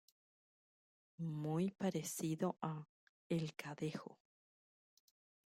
Muy parecido a El Cadejo.